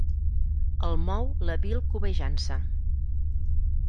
El mou la vil cobejança.